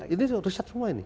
ini riset semua ini